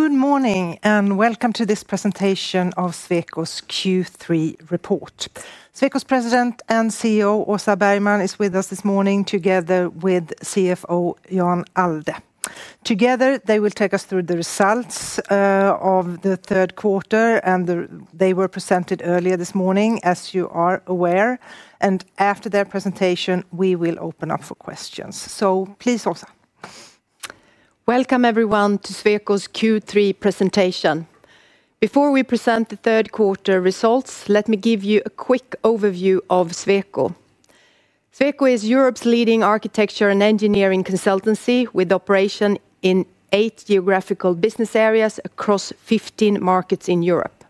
Good morning and welcome to this presentation of Sweco's Q3 report. Sweco's President and CEO, Åsa Bergman, is with us this morning together with CFO, Jan Allde. Together, they will take us through the results of the third quarter, which were presented earlier this morning, as you are aware. After their presentation, we will open up for questions. Please, Åsa. Welcome everyone to Sweco's Q3 presentation. Before we present the third quarter results, let me give you a quick overview of Sweco. Sweco is Europe's leading architecture and engineering consultancy with operations in eight geographical business areas across 15 markets in Europe.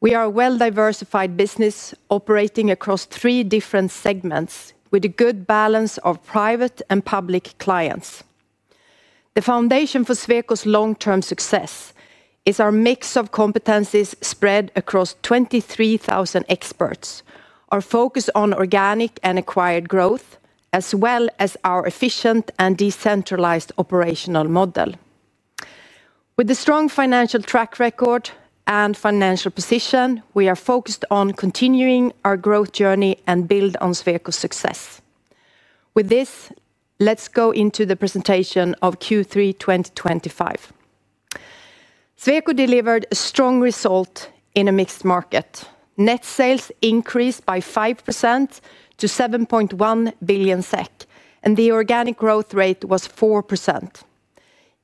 We are a well-diversified business operating across three different segments with a good balance of private and public clients. The foundation for Sweco's long-term success is our mix of competencies spread across 23,000 experts, our focus on organic and acquired growth, as well as our efficient and decentralized operational model. With a strong financial track record and financial position, we are focused on continuing our growth journey and building on Sweco's success. With this, let's go into the presentation of Q3 2025. Sweco delivered a strong result in a mixed market. Net sales increased by 5% to 7.1 billion SEK, and the organic growth rate was 4%.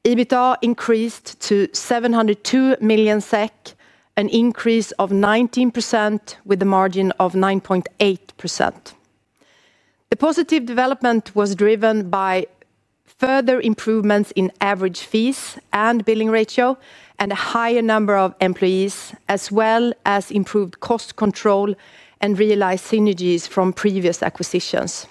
EBITDA increased to 702 million SEK, an increase of 19% with a margin of 9.8%. The positive development was driven by further improvements in average fees and billing ratio, and a higher number of employees, as well as improved cost control and realized synergies from previous acquisitions.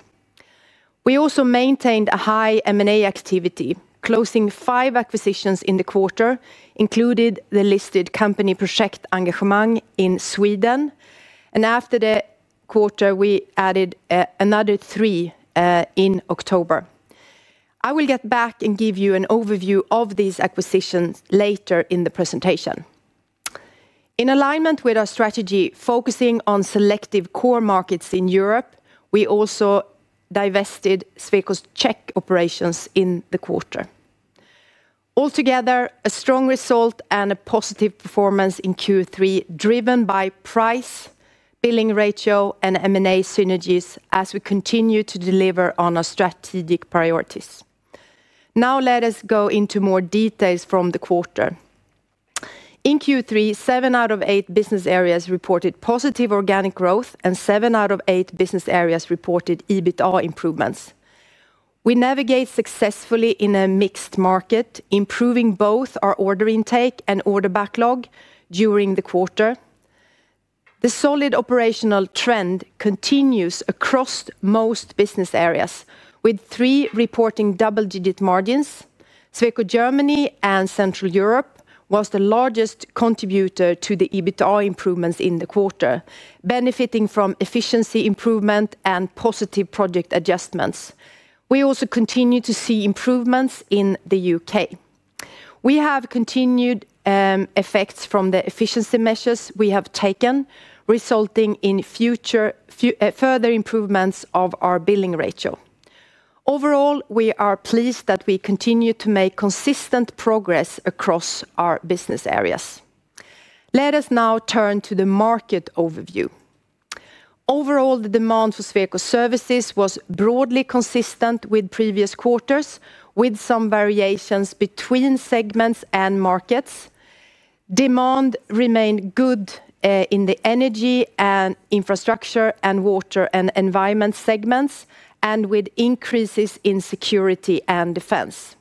We also maintained a high M&A activity, closing five acquisitions in the quarter, including the listed company Projektengagemang in Sweden. After the quarter, we added another three in October. I will get back and give you an overview of these acquisitions later in the presentation. In alignment with our strategy, focusing on selective core markets in Europe, we also divested Sweco's Czech operations in the quarter. Altogether, a strong result and a positive performance in Q3, driven by price, billing ratio, and M&A synergies as we continue to deliver on our strategic priorities. Now, let us go into more details from the quarter. In Q3, seven out of eight business areas reported positive organic growth, and seven out of eight business areas reported EBITDA improvements. We navigate successfully in a mixed market, improving both our order intake and order backlog during the quarter. The solid operational trend continues across most business areas, with three reporting double-digit margins. Sweco Germany and Central Europe were the largest contributors to the EBITDA improvements in the quarter, benefiting from efficiency improvements and positive project adjustments. We also continue to see improvements in the U.K. We have continued effects from the efficiency measures we have taken, resulting in further improvements of our billing ratio. Overall, we are pleased that we continue to make consistent progress across our business areas. Let us now turn to the market overview. Overall, the demand for Sweco services was broadly consistent with previous quarters, with some variations between segments and markets. Demand remained good in the energy, infrastructure, and water and environment segments, with increases in security and defense.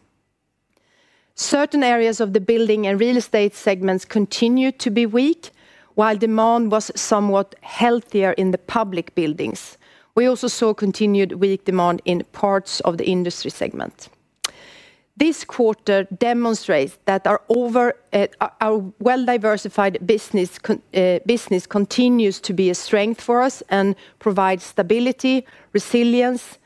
Certain areas of the building and real estate segments continued to be weak, while demand was somewhat healthier in the public buildings. We also saw continued weak demand in parts of the industry segment. This quarter demonstrates that our well-diversified business continues to be a strength for us and provides stability, resilience,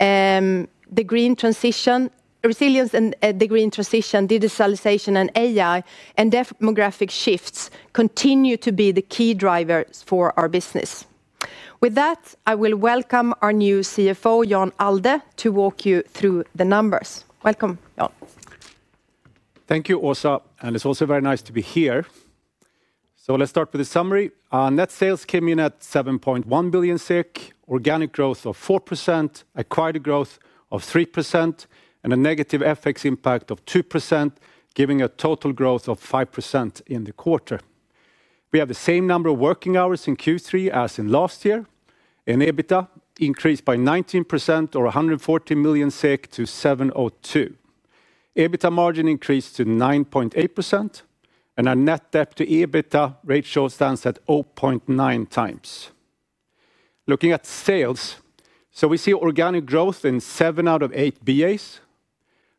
the green transition, digitalization, and AI, and demographic shifts continue to be the key drivers for our business. With that, I will welcome our new CFO, Jan Allde, to walk you through the numbers. Welcome, Jan. Thank you, Åsa. It's also very nice to be here. Let's start with a summary. Net sales came in at 7.1 billion, organic growth of 4%, acquired growth of 3%, and a negative FX impact of 2%, giving a total growth of 5% in the quarter. We have the same number of working hours in Q3 as in last year, and EBITDA increased by 19%, or 140 million SEK, to 702 million. EBITDA margin increased to 9.8%, and our net debt to EBITDA ratio stands at 0.9x. Looking at sales, we see organic growth in seven out of eight BAs.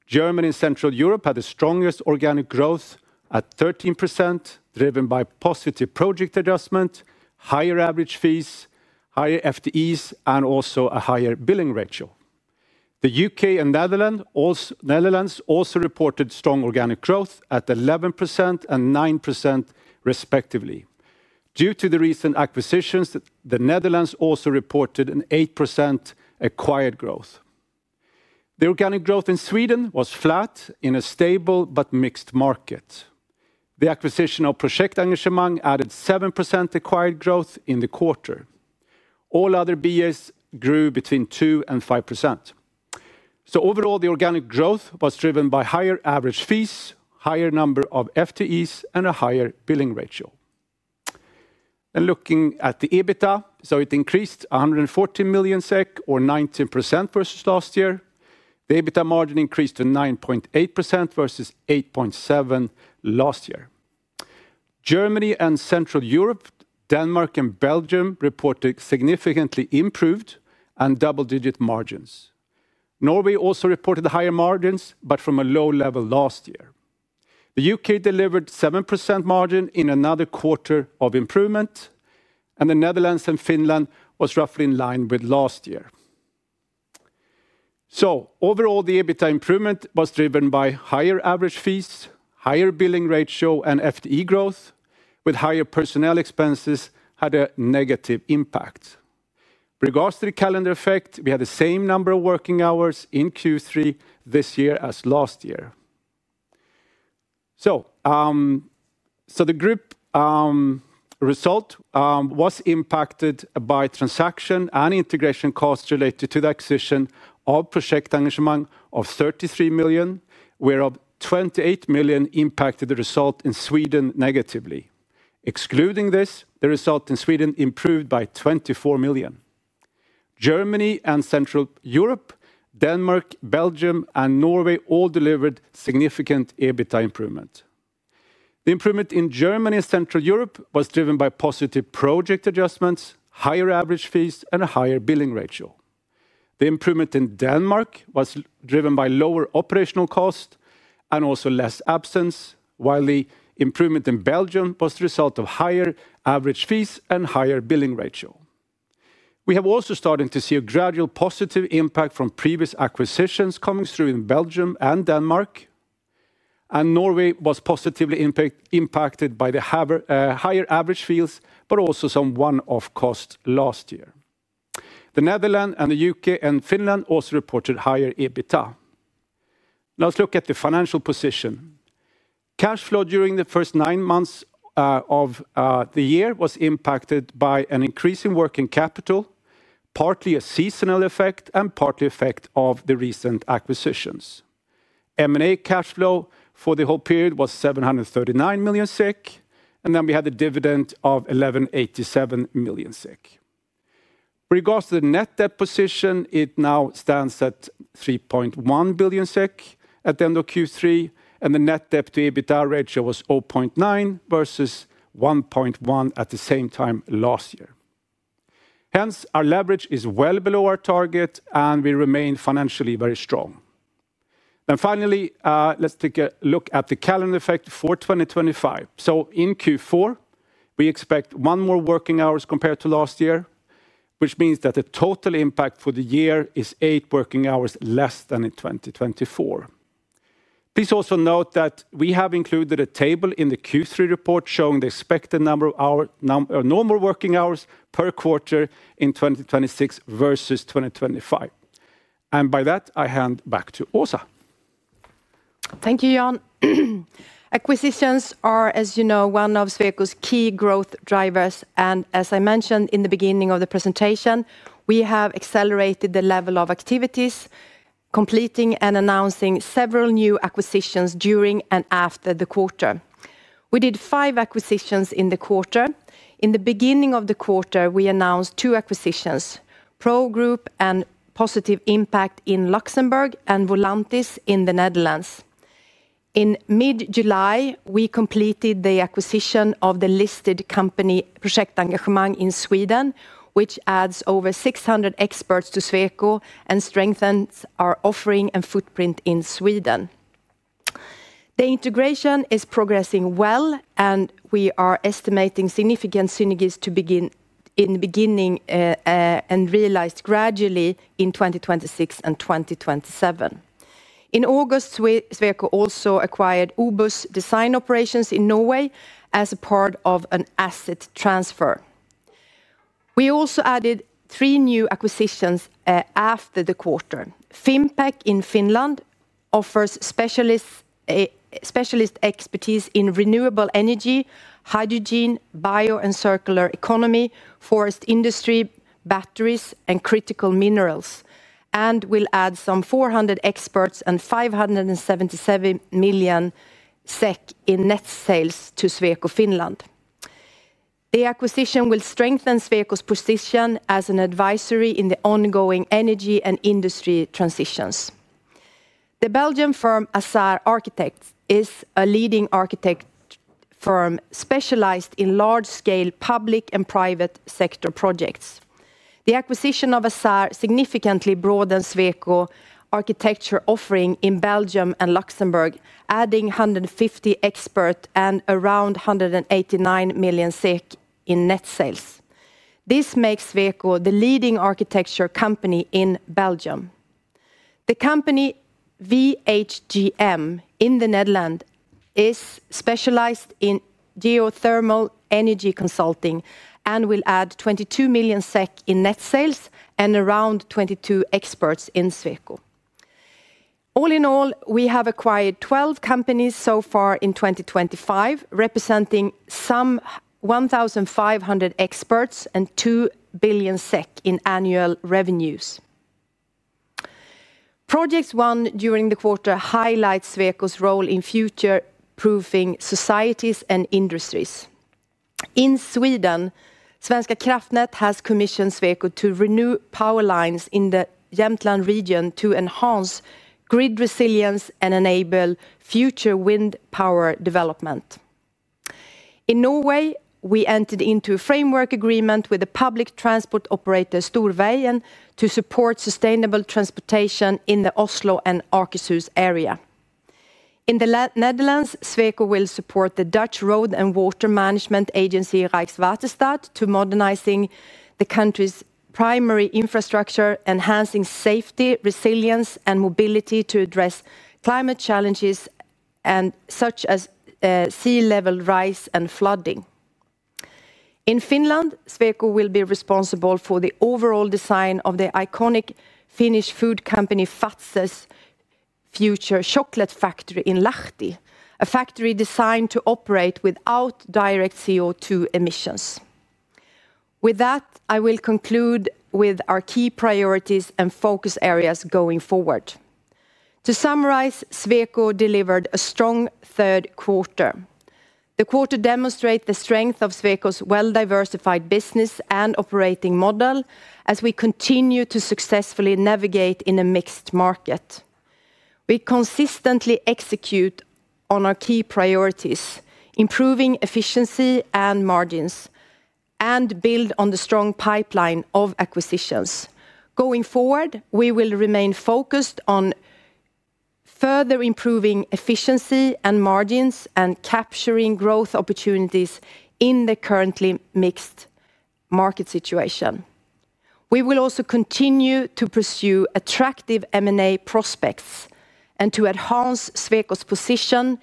Germany and Central Europe had the strongest organic growth at 13%, driven by positive project adjustment, higher average fees, higher FTEs, and also a higher billing ratio. The U.K. and Netherlands also reported strong organic growth at 11% and 9%, respectively. Due to the recent acquisitions, the Netherlands also reported 8% acquired growth. The organic growth in Sweden was flat in a stable but mixed market. The acquisition of Projektengagemang added 7% acquired growth in the quarter. All other BAs grew between 2% and 5%. Overall, the organic growth was driven by higher average fees, higher number of FTEs, and a higher billing ratio. Looking at the EBITDA, it increased 140 million SEK, or 19% versus last year. The EBITDA margin increased to 9.8% versus 8.7% last year. Germany and Central Europe, Denmark, and Belgium reported significantly improved and double-digit margins. Norway also reported higher margins, but from a low level last year. The U.K. delivered a 7% margin in another quarter of improvement, and the Netherlands and Finland were roughly in line with last year. Overall, the EBITDA improvement was driven by higher average fees, higher billing ratio, and FTE growth, with higher personnel expenses having a negative impact. With regards to the calendar effect, we had the same number of working hours in Q3 this year as last year. The group result was impacted by transaction and integration costs related to the acquisition of Projektengagemang of 33 million, where 28 million impacted the result in Sweden negatively. Excluding this, the result in Sweden improved by 24 million. Germany and Central Europe, Denmark, Belgium, and Norway all delivered significant EBITDA improvements. The improvement in Germany and Central Europe was driven by positive project adjustments, higher average fees, and a higher billing ratio. The improvement in Denmark was driven by lower operational costs and also less absence, while the improvement in Belgium was the result of higher average fees and higher billing ratio. We have also started to see a gradual positive impact from previous acquisitions coming through in Belgium and Denmark, and Norway was positively impacted by the higher average fees, but also some one-off costs last year. The Netherlands, U.K., and Finland also reported higher EBITDA. Let's look at the financial position. Cash flow during the first nine months of the year was impacted by an increase in working capital, partly a seasonal effect and partly an effect of the recent acquisitions. M&A cash flow for the whole period was 739 million, and then we had a dividend of 1,187 million. Regarding the net debt position, it now stands at 3.1 billion SEK at the end of Q3, and the net debt to EBITDA ratio was 0.9x versus 1.1x at the same time last year. Our leverage is well below our target, and we remain financially very strong. Finally, let's take a look at the calendar effect for 2025. In Q4, we expect one more working hour compared to last year, which means that the total impact for the year is eight working hours less than in 2024. Please also note that we have included a table in the Q3 report showing the expected number of normal working hours per quarter in 2026 versus 2025. By that, I hand back to Åsa. Thank you, Jan. Acquisitions are, as you know, one of Sweco's key growth drivers, and as I mentioned in the beginning of the presentation, we have accelerated the level of activities, completing and announcing several new acquisitions during and after the quarter. We did five acquisitions in the quarter. In the beginning of the quarter, we announced two acquisitions: PROgroup and +ImpaKT in Luxembourg, and Volantis in the Netherlands. In mid-July, we completed the acquisition of the listed company Projektengagemang in Sweden, which adds over 600 experts to Sweco and strengthens our offering and footprint in Sweden. The integration is progressing well, and we are estimating significant synergies to begin in the beginning and realized gradually in 2026 and 2027. In August, Sweco also acquired OBOS Design Operations in Norway as a part of an asset transfer. We also added three new acquisitions after the quarter. Fimpec in Finland offers specialist expertise in renewable energy, hydrogen, bio, and circular economy, forest industry, batteries, and critical minerals, and will add some 400 experts and 577 million SEK in net sales to Sweco Finland. The acquisition will strengthen Sweco's position as an advisory in the ongoing energy and industry transitions. The Belgian firm ASSAR Architects is a leading architect firm specialized in large-scale public and private sector projects. The acquisition of ASSAR significantly broadens Sweco's architecture offering in Belgium and Luxembourg, adding 150 experts and around 189 million SEK in net sales. This makes Sweco the leading architecture company in Belgium. The company VHGM in the Netherlands is specialized in geothermal energy consulting and will add 22 million SEK in net sales and around 22 experts in Sweco. All in all, we have acquired 12 companies so far in 2025, representing some 1,500 experts and 2 billion SEK in annual revenues. Projects won during the quarter highlight Sweco's role in future-proofing societies and industries. In Sweden, Svenska kraftnät has commissioned Sweco to renew power lines in the Jämtland region to enhance grid resilience and enable future wind power development. In Norway, we entered into a framework agreement with the public transport operator Storveien to support sustainable transportation in the Oslo and Akershus area. In the Netherlands, Sweco will support the Dutch Road and Water Management Agency Rijkswaterstaat to modernize the country's primary infrastructure, enhancing safety, resilience, and mobility to address climate challenges such as sea level rise and flooding. In Finland, Sweco will be responsible for the overall design of the iconic Finnish food company Fazer's future chocolate factory in Lahti, a factory designed to operate without direct CO2 emissions. With that, I will conclude with our key priorities and focus areas going forward. To summarize, Sweco delivered a strong third quarter. The quarter demonstrates the strength of Sweco's well-diversified business and operating model as we continue to successfully navigate in a mixed market. We consistently execute on our key priorities, improving efficiency and margins, and build on the strong pipeline of acquisitions. Going forward, we will remain focused on further improving efficiency and margins and capturing growth opportunities in the currently mixed market situation. We will also continue to pursue attractive M&A prospects and to enhance Sweco's position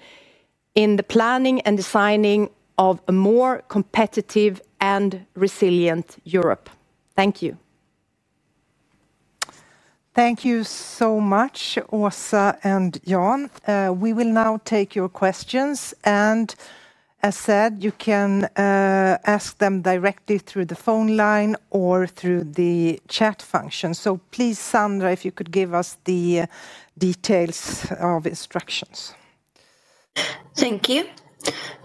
in the planning and designing of a more competitive and resilient Europe. Thank you. Thank you so much, Åsa and Jan. We will now take your questions, and as said, you can ask them directly through the phone line or through the chat function. Please, Sandra, if you could give us the details of instructions. Thank you.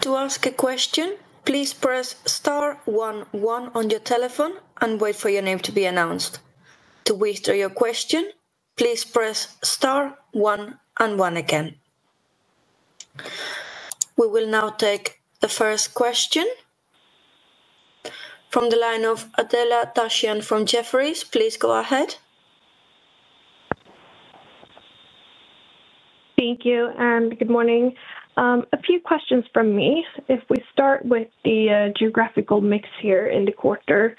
To ask a question, please press star one one on your telephone and wait for your name to be announced. To withdraw your question, please press star one and one again. We will now take the first question from the line of Adela Dashian from Jefferies. Please go ahead. Thank you and good morning. A few questions from me. If we start with the geographical mix here in the quarter,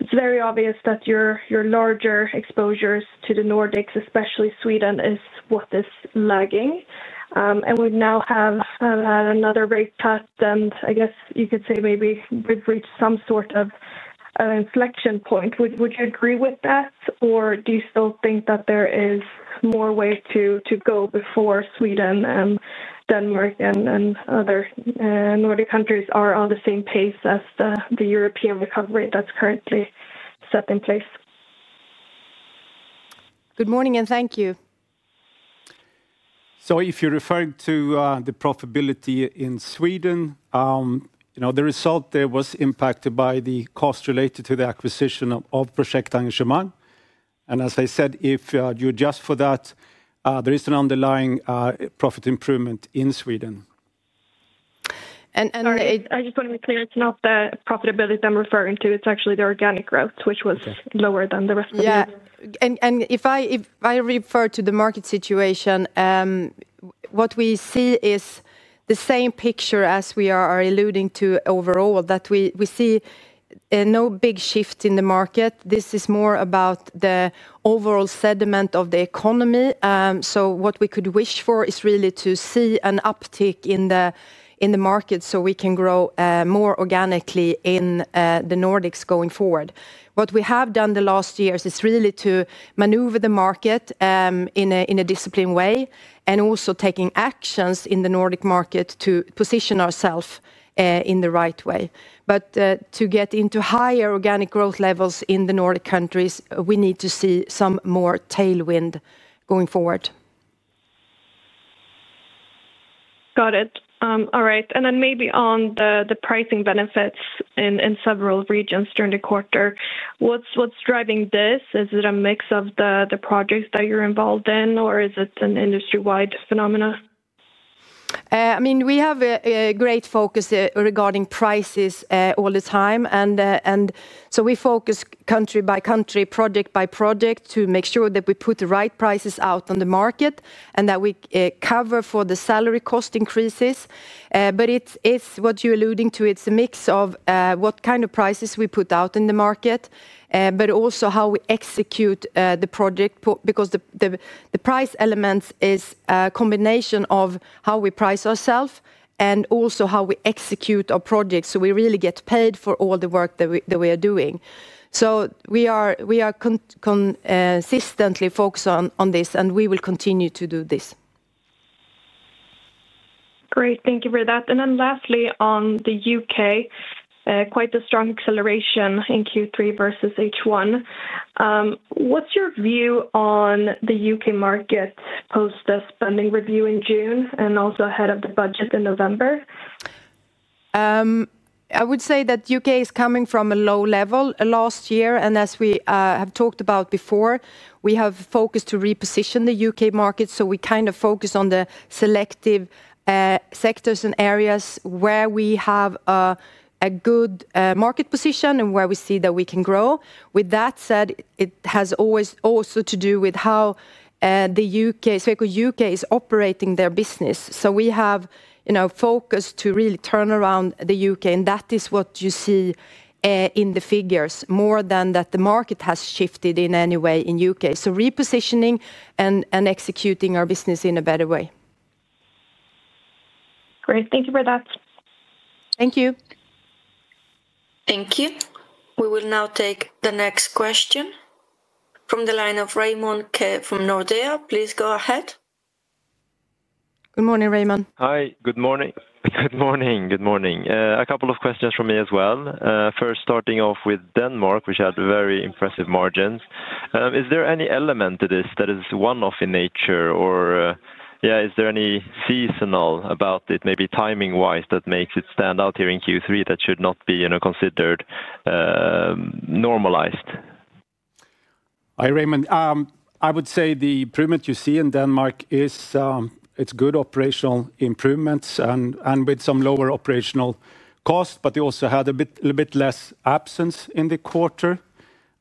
it's very obvious that your larger exposures to the Nordics, especially Sweden, is what is lagging. We now have had another rate cut, and I guess you could say maybe we've reached some sort of an inflection point. Would you agree with that, or do you still think that there is more way to go before Sweden and Denmark and other Nordic countries are on the same pace as the European recovery that's currently set in place? Good morning, and thank you. If you're referring to the profitability in Sweden, you know the result there was impacted by the cost related to the acquisition of Projektengagemang. As I said, if you adjust for that, there is an underlying profit improvement in Sweden. I just want to be clear, it's not the profitability I'm referring to. It's actually the organic growth, which was lower than the rest of them. If I refer to the market situation, what we see is the same picture as we are alluding to overall, that we see no big shift in the market. This is more about the overall sentiment of the economy. What we could wish for is really to see an uptick in the market so we can grow more organically in the Nordics going forward. What we have done the last years is really to maneuver the market in a disciplined way and also taking actions in the Nordic market to position ourselves in the right way. To get into higher organic growth levels in the Nordic countries, we need to see some more tailwind going forward. Got it. All right. Maybe on the pricing benefits in several regions during the quarter, what's driving this? Is it a mix of the projects that you're involved in, or is it an industry-wide phenomenon? We have a great focus regarding prices all the time. We focus country by country, project by project to make sure that we put the right prices out on the market and that we cover for the salary cost increases. It's what you're alluding to. It's a mix of what kind of prices we put out in the market, but also how we execute the project because the price element is a combination of how we price ourselves and also how we execute our projects. We really get paid for all the work that we are doing. We are consistently focused on this, and we will continue to do this. Great. Thank you for that. Lastly, on the U.K., quite a strong acceleration in Q3 versus H1. What's your view on the U.K. market post the spending review in June and also ahead of the budget in November? I would say that the U.K. is coming from a low level last year. As we have talked about before, we have focused to reposition the U.K. market. We kind of focus on the selective sectors and areas where we have a good market position and where we see that we can grow. With that said, it has always also to do with how the U.K., so the U.K. is operating their business. We have focused to really turn around the U.K., and that is what you see in the figures, more than that the market has shifted in any way in the U.K. Repositioning and executing our business in a better way. Great. Thank you for that. Thank you. Thank you. We will now take the next question from the line of Raymond Ke from Nordea. Please go ahead. Good morning, Raymond. Hi, good morning. Good morning, good morning. A couple of questions from me as well. First, starting off with Denmark, which had very impressive margins. Is there any element to this that is one-off in nature, or is there any seasonal about it, maybe timing-wise, that makes it stand out here in Q3 that should not be considered normalized? Hi, Raymond. I would say the improvement you see in Denmark is good operational improvements with some lower operational costs, but you also had a little bit less absence in the quarter.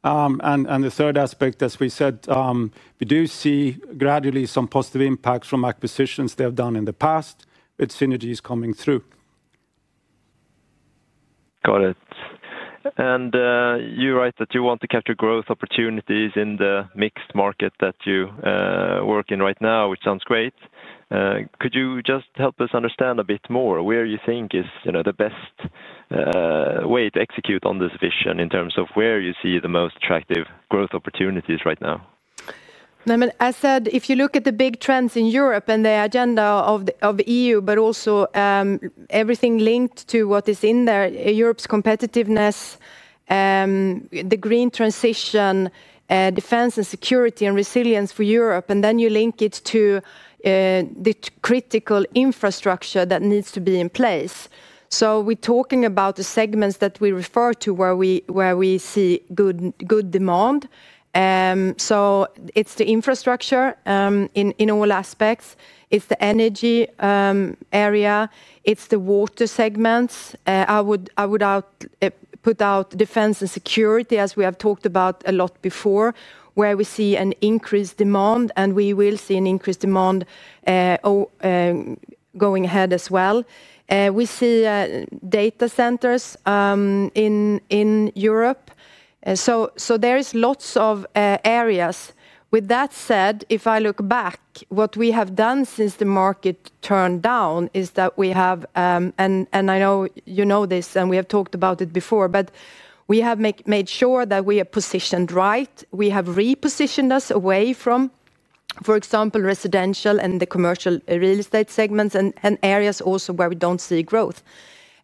The third aspect, as we said, we do see gradually some positive impacts from acquisitions they have done in the past with synergies coming through. Got it. You write that you want to capture growth opportunities in the mixed market that you work in right now, which sounds great. Could you just help us understand a bit more where you think is the best way to execute on this vision in terms of where you see the most attractive growth opportunities right now? I mean, as I said, if you look at the big trends in Europe and the agenda of the EU, but also everything linked to what is in there, Europe's competitiveness, the green transition, defense and security and resilience for Europe, and then you link it to the critical infrastructure that needs to be in place. We're talking about the segments that we refer to where we see good demand. It's the infrastructure in all aspects. It's the energy area. It's the water segments. I would put out defense and security, as we have talked about a lot before, where we see an increased demand, and we will see an increased demand going ahead as well. We see data centers in Europe. There are lots of areas. With that said, if I look back, what we have done since the market turned down is that we have, and I know you know this, and we have talked about it before, but we have made sure that we are positioned right. We have repositioned us away from, for example, residential and the commercial real estate segments and areas also where we don't see growth.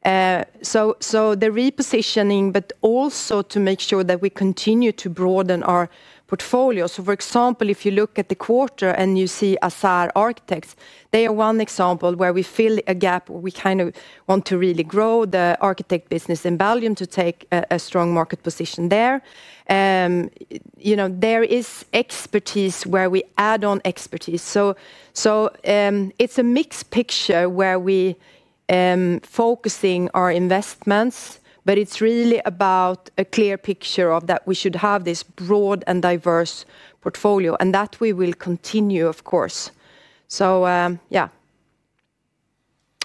The repositioning, but also to make sure that we continue to broaden our portfolio. For example, if you look at the quarter and you see ASSAR Architects, they are one example where we fill a gap. We kind of want to really grow the architect business in Belgium to take a strong market position there. There is expertise where we add on expertise. It's a mixed picture where we are focusing our investments, but it's really about a clear picture of that we should have this broad and diverse portfolio and that we will continue, of course. So yeah.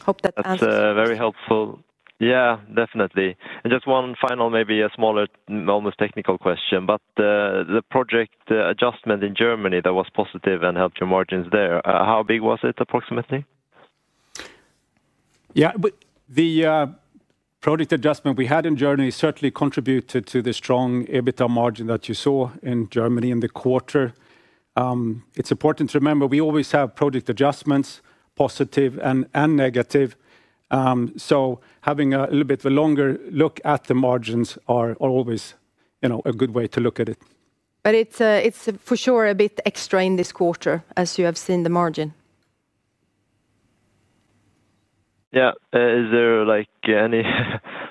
That's very helpful. Yeah, definitely. Just one final, maybe a smaller, almost technical question, but the project adjustment in Germany that was positive and helped your margins there, how big was it approximately? Yeah. The project adjustment we had in Germany certainly contributed to the strong EBITDA margin that you saw in Germany in the quarter. It's important to remember we always have project adjustments, positive and negative. Having a little bit of a longer look at the margins is always a good way to look at it. It is for sure a bit extra in this quarter, as you have seen the margin. Yeah, is there like any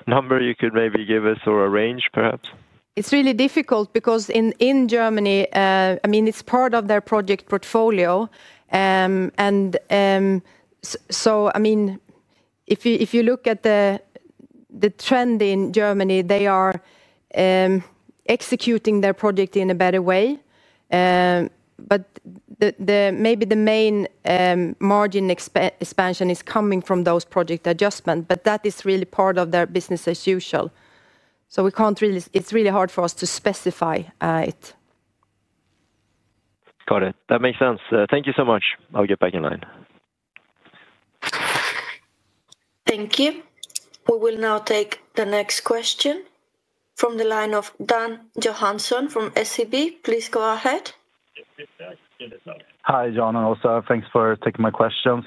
number you could maybe give us or a range perhaps? It's really difficult because in Germany, I mean, it's part of their project portfolio. If you look at the trend in Germany, they are executing their project in a better way. Maybe the main margin expansion is coming from those project adjustments, but that is really part of their business as usual. It's really hard for us to specify it. Got it. That makes sense. Thank you so much. I'll get back in line. Thank you. We will now take the next question from the line of Dan Johansson from SEB. Please go ahead. Hi, Jan and Åsa. Thanks for taking my questions.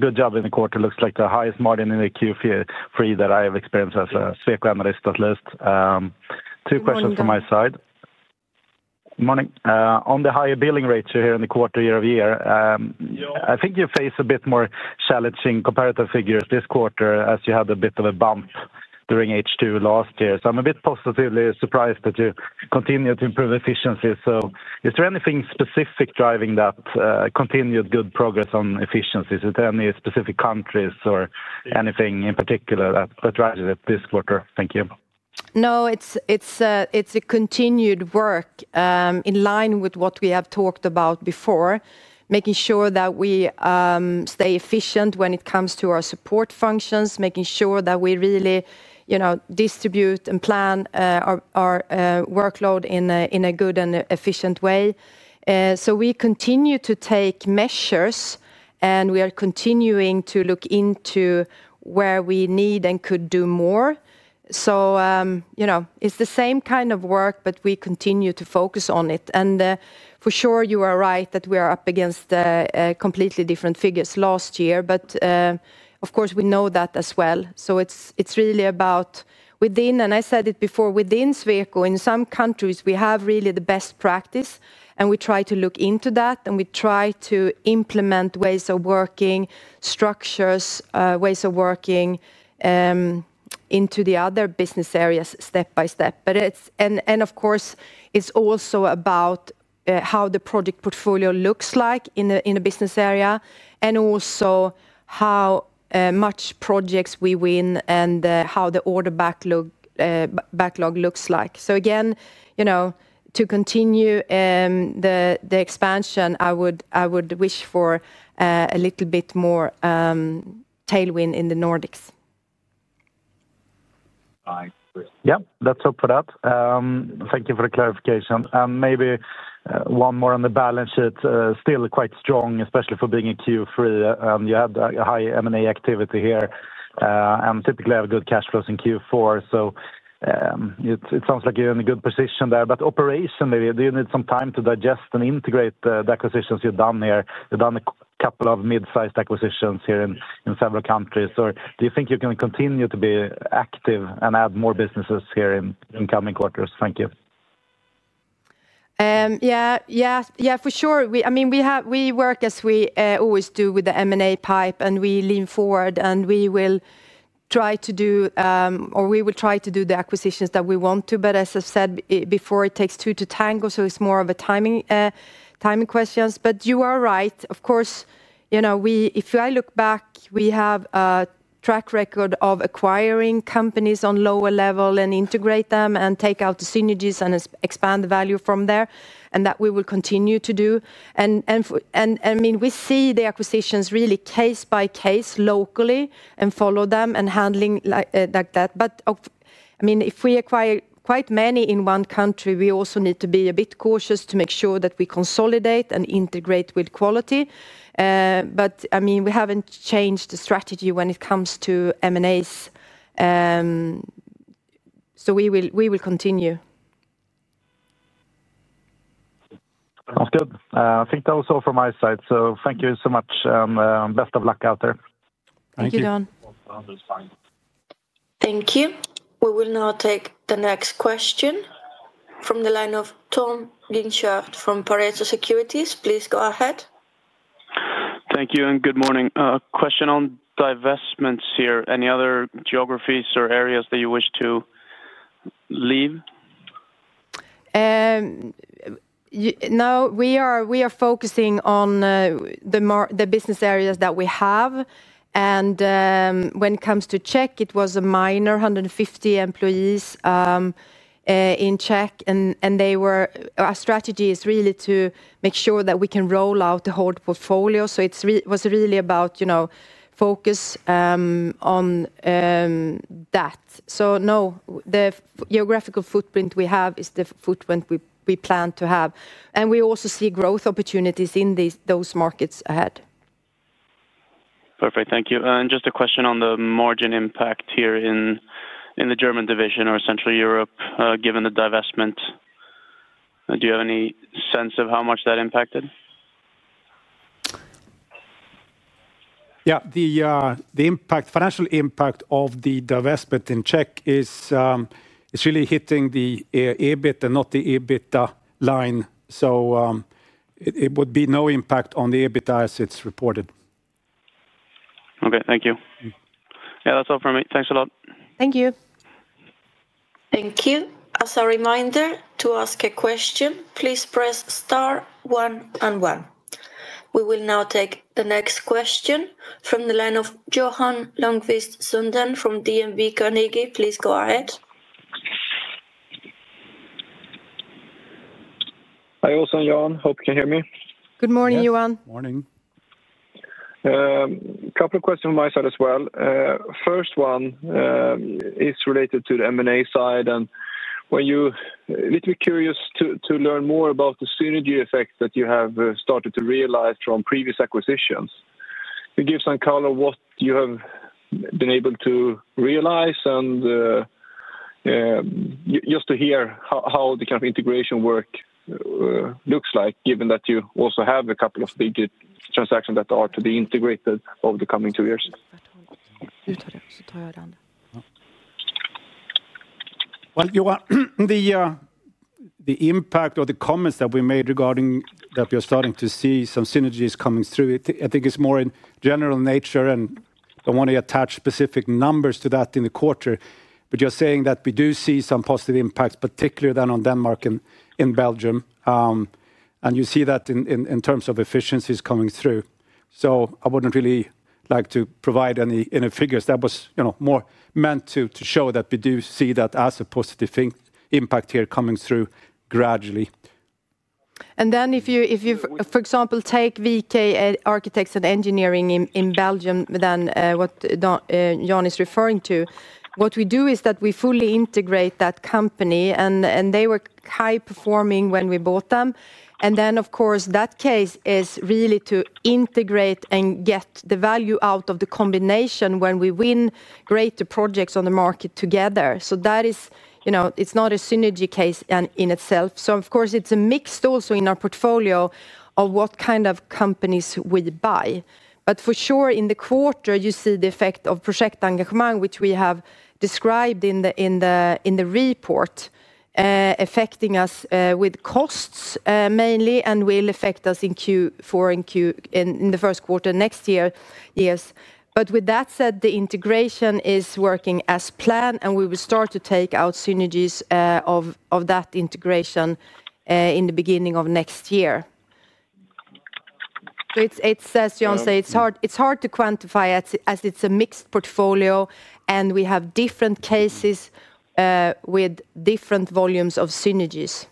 Good job in the quarter. It looks like the highest margin in Q3 that I have experienced as a Sweco analyst at least. Two questions from my side. Good morning. On the higher billing rates you’re seeing in the quarter year-over-year, I think you face a bit more challenging comparative figures this quarter as you had a bit of a bump during H2 last year. I’m a bit positively surprised that you continue to improve efficiency. Is there anything specific driving that continued good progress on efficiencies? Are there any specific countries or anything in particular that drives it this quarter? Thank you. No, it's a continued work in line with what we have talked about before, making sure that we stay efficient when it comes to our support functions, making sure that we really distribute and plan our workload in a good and efficient way. We continue to take measures and we are continuing to look into where we need and could do more. It's the same kind of work, but we continue to focus on it. For sure, you are right that we are up against completely different figures last year, but of course we know that as well. It's really about within, and I said it before, within Sweco, in some countries we have really the best practice and we try to look into that and we try to implement ways of working, structures, ways of working into the other business areas step by step. Of course it's also about how the project portfolio looks like in a business area and also how many projects we win and how the order backlog looks like. Again, to continue the expansion, I would wish for a little bit more tailwind in the Nordics. Yeah, let's hope for that. Thank you for the clarification. Maybe one more on the balance sheet. Still quite strong, especially for being in Q3. You had a high M&A activity here. Typically, you have good cash flows in Q4. It sounds like you're in a good position there. Operationally, do you need some time to digest and integrate the acquisitions you've done here? You've done a couple of mid-sized acquisitions here in several countries. Do you think you can continue to be active and add more businesses here in coming quarters? Thank you. Yeah, for sure. I mean, we work as we always do with the M&A pipe and we lean forward and we will try to do, or we will try to do the acquisitions that we want to. As I've said before, it takes two to tango. It is more of a timing question. You are right. Of course, if I look back, we have a track record of acquiring companies on lower level and integrate them and take out the synergies and expand the value from there. That we will continue to do. I mean, we see the acquisitions really case by case locally and follow them and handling like that. If we acquire quite many in one country, we also need to be a bit cautious to make sure that we consolidate and integrate with quality. I mean, we haven't changed the strategy when it comes to M&As. We will continue. That's good. I think that was all from my side. Thank you so much and best of luck out there. Thank you. Thank you, Jan. Thank you. We will now take the next question from the line of Tom Guinchard from Pareto Securities. Please go ahead. Thank you and good morning. Question on divestments here. Any other geographies or areas that you wish to leave? No, we are focusing on the business areas that we have. When it comes to Czech, it was a minor, 150 employees in Czech. Our strategy is really to make sure that we can roll out the whole portfolio. It was really about, you know, focus on that. No, the geographical footprint we have is the footprint we plan to have. We also see growth opportunities in those markets ahead. Perfect, thank you. Just a question on the margin impact here in the German division or Central Europe, given the divestment. Do you have any sense of how much that impacted? Yeah. The financial impact of the divestment in Czech is really hitting the EBIT and not the EBITDA line. It would be no impact on the EBITDA as it's reported. Okay, thank you. That's all from me. Thanks a lot. Thank you. Thank you. As a reminder to ask a question, please press star one and one. We will now take the next question from the line of Johan Lönnqvist Sundén from DNB Carnegie. Please go ahead. Hi Åsa and Johan. Hope you can hear me. Good morning, Johan. Morning. A couple of questions from my side as well. The first one is related to the M&A side. I'm a little bit curious to learn more about the synergy effect that you have started to realize from previous acquisitions. Can you give some color to what you have been able to realize and just to hear how the kind of integration work looks like, given that you also have a couple of big transactions that are to be integrated over the coming two years. You can start. The impact or the comments that we made regarding that we are starting to see some synergies coming through, I think it's more in general nature. I don't want to attach specific numbers to that in the quarter. You're saying that we do see some positive impacts, particularly then on Denmark and in Belgium, and you see that in terms of efficiencies coming through. I wouldn't really like to provide any figures. That was more meant to show that we do see that as a positive impact here coming through gradually. If you, for example, take VK Architects and Engineering in Belgium, what Jan is referring to is that we fully integrate that company and they were high performing when we bought them. That case is really to integrate and get the value out of the combination when we win greater projects on the market together. It is not a synergy case in itself. It is a mix also in our portfolio of what kind of companies we buy. For sure, in the quarter, you see the effect of Projektengagemang, which we have described in the report, affecting us with costs mainly and will affect us in Q4 and in the first quarter next year. With that said, the integration is working as planned and we will start to take out synergies of that integration in the beginning of next year. As Jan said, it's hard to quantify as it's a mixed portfolio and we have different cases with different volumes of synergies.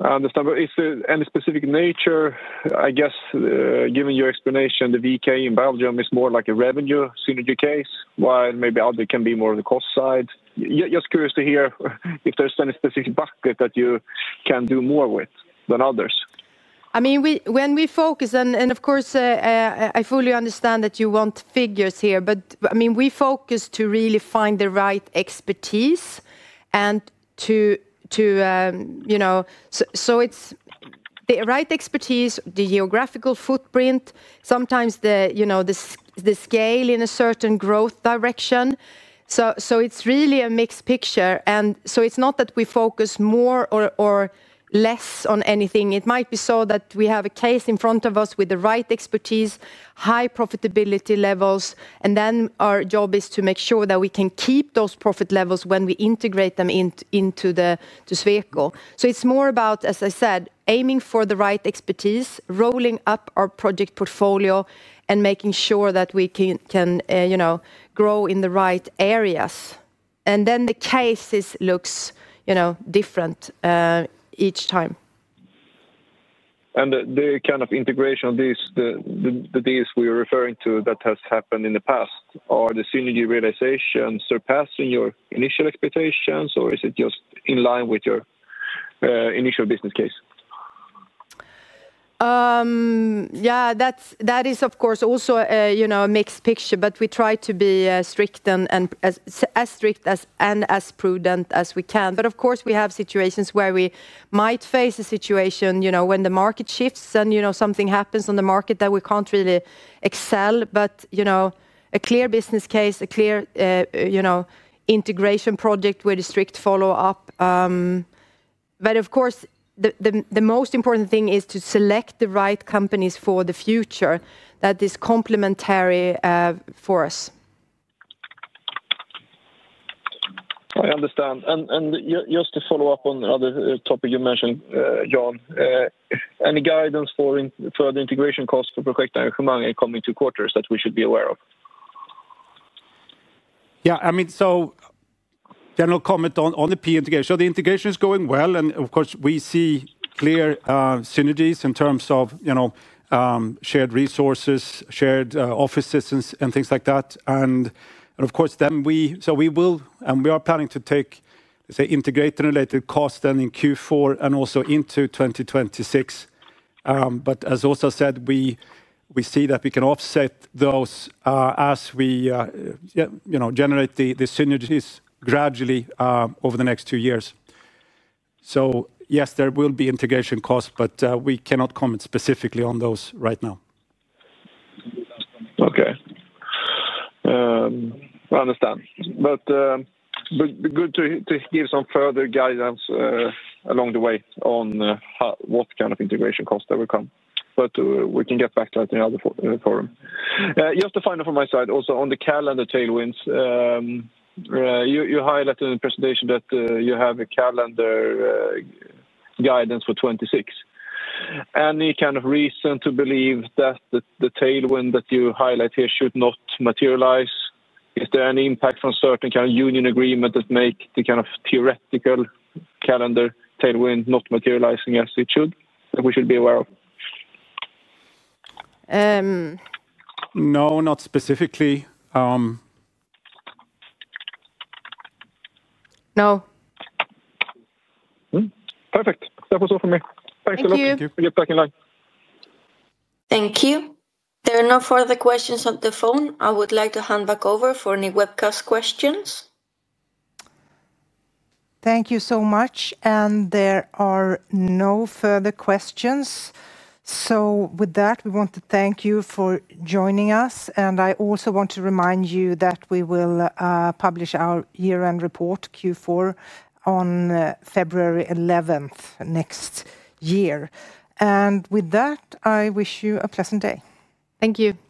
I understand. Is there any specific nature? I guess, given your explanation, the VK in Belgium is more like a revenue synergy case, while maybe others can be more on the cost side. Just curious to hear if there's any specific bucket that you can do more with than others. When we focus, and of course, I fully understand that you want figures here, we focus to really find the right expertise and to, you know, so it's the right expertise, the geographical footprint, sometimes the scale in a certain growth direction. It's really a mixed picture. It's not that we focus more or less on anything. It might be so that we have a case in front of us with the right expertise, high profitability levels, and then our job is to make sure that we can keep those profit levels when we integrate them into Sweco. It's more about, as I said, aiming for the right expertise, rolling up our project portfolio, and making sure that we can, you know, grow in the right areas. The cases look different each time. The kind of integration of these that we are referring to that has happened in the past, are the synergy realizations surpassing your initial expectations, or is it just in line with your initial business case? Yeah, that is, of course, also a mixed picture. We try to be as strict and as prudent as we can. Of course, we have situations where we might face a situation when the market shifts and something happens on the market that we can't really excel, but a clear business case, a clear integration project with a strict follow-up. Of course, the most important thing is to select the right companies for the future that is complementary for us. I understand. Just to follow up on the topic you mentioned, Jan, any guidance for the integration costs for Projektengagemang in the coming two quarters that we should be aware of? Yeah. General comment on the PE integration. The integration is going well, and we see clear synergies in terms of shared resources, shared offices, and things like that. We will, and we are planning to take, say, integration-related costs in Q4 and also into 2026. As also said, we see that we can offset those as we generate the synergies gradually over the next two years. Yes, there will be integration costs, but we cannot comment specifically on those right now. Okay. I understand. Good to give some further guidance along the way on what kind of integration costs that will come. We can get back to that in another forum. Just a final from my side, also on the calendar tailwinds, you highlighted in the presentation that you have a calendar guidance for 2026. Any kind of reason to believe that the tailwind that you highlight here should not materialize? Is there any impact from certain kind of union agreements that make the kind of theoretical calendar tailwind not materializing as it should that we should beaware of? No, not specifically. No. Perfect. That was all for me. Thanks a lot. Thank you. Thank you. I'll get back in line. Thank you. There are no further questions on the phone. I would like to hand back over for any webcast questions. Thank you so much. There are no further questions. With that, we want to thank you for joining us. I also want to remind you that we will publish our year-end report Q4 on February 11th next year. With that, I wish you a pleasant day. Thank you. Thank you.